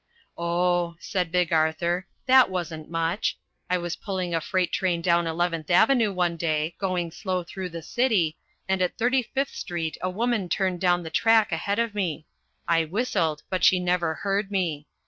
"Oh," said Big Arthur, "that wasn't much. I was pulling a freight train down Eleventh Avenue one day, going slow through the city, and at Thirty fifth Street a woman turned down the track ahead of me. I whistled, but she never heard me.